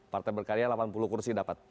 partai berkarya delapan puluh kursi dapat